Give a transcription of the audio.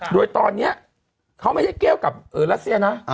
โดยตอนนี้เขาไม่ใช่เกลียวกับเอิราเซียนะ